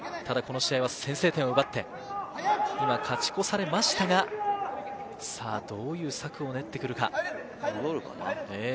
この試合は先制点を奪って、今、勝ち越されましたが、どういう策を練ってくるか？